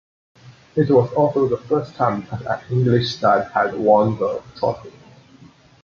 It was also the first time that an English side had won the trophy.